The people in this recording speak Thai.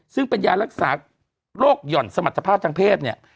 ซึ่งเป็นยารักษาโรคหย่อนสมรรถภาพทางเพศเนี่ย